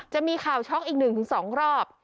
จะมีข่าวช็อคอีกหนึ่งถึงสองรอบ